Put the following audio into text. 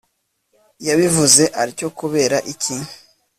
yabivuze atyo kubera iki